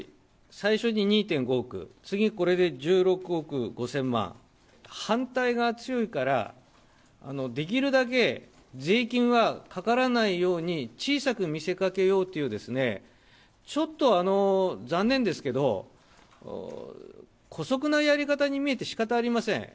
最初に２．５億、次、これで１６億５０００万、反対が強いから、できるだけ税金はかからないように、小さく見せかけようというですね、ちょっと残念ですけど、こそくなやり方に見えてしかたありません。